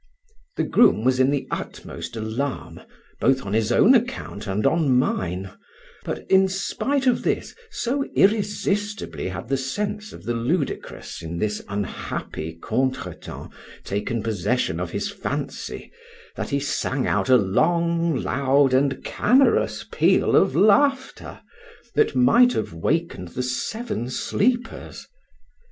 The groom was in the utmost alarm, both on his own account and on mine, but, in spite of this, so irresistibly had the sense of the ludicrous in this unhappy contretemps taken possession of his fancy, that he sang out a long, loud, and canorous peal of laughter, that might have wakened the Seven Sleepers.